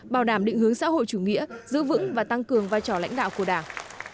bảo đảm định hướng xã hội chủ nghĩa giữ vững và tăng cường vai trò lãnh đạo của đảng